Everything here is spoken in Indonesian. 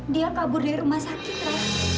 dia kabur dari rumah sakit ra